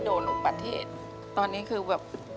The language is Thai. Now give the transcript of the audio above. ทำงานชื่อนางหยาดฝนภูมิสุขอายุ๕๔ปี